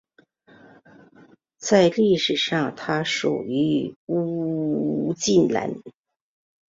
在历史上它属于乌普兰。